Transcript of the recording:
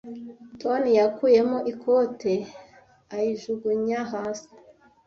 Toni yakuyemo ikote ayijugunya hasi.